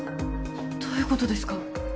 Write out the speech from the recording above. どういうことですか？